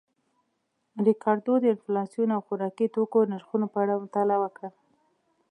ریکارډو د انفلاسیون او خوراکي توکو نرخونو په اړه مطالعه وکړه